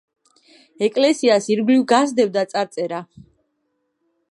ეკლესიას ირგვლივ გასდევდა წარწერა.